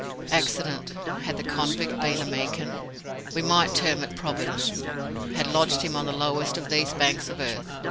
Accident had the convict been a Meekin, we might term it Providence had lodged him on the lowest of these banks of earth.